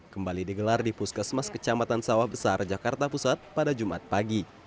kembali digelar di puskesmas kecamatan sawah besar jakarta pusat pada jumat pagi